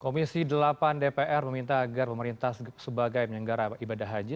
komisi delapan dpr meminta agar pemerintah sebagai penyelenggara ibadah haji